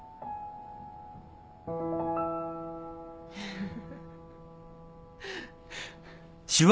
フフフ。